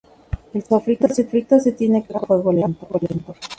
El sofrito se tiene que cocer a fuego lento.